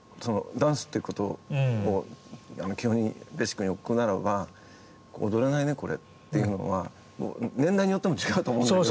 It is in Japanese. ダンスっていうことを基本にベーシックに置くならば「踊れないねこれ」っていうのは年代によっても違うと思うんだけど。